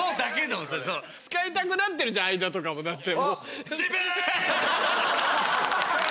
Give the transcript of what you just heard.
使いたくなってるじゃん相田とかもだって。